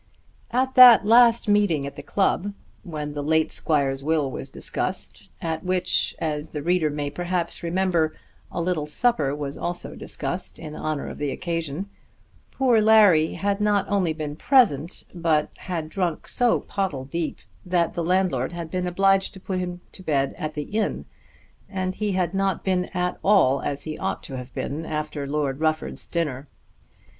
At that last meeting at the club, when the late squire's will was discussed, at which, as the reader may perhaps remember, a little supper was also discussed in honour of the occasion, poor Larry had not only been present, but had drunk so pottle deep that the landlord had been obliged to put him to bed at the inn, and he had not been at all as he ought to have been after Lord Rufford's dinner.